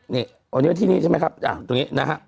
นี่วันนี้ที่นี่ใช่ไหมครับตรงนี้นะฮะ